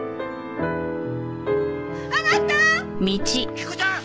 彦ちゃん